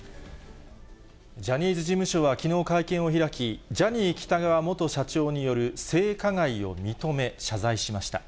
ジャニーズ事務所はきのう会見を開き、ジャニー喜多川元社長による性加害を認め、謝罪しました。